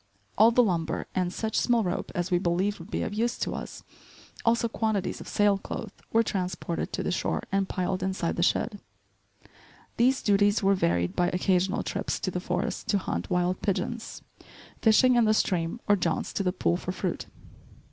All the lumber and such small rope as we believed would be of use to us, also quantities of sail cloth, were transported to the shore and piled inside the shed. These duties were varied by occasional trips to the forest to hunt wild pigeons, fishing in the stream or jaunts to the pool for fruit.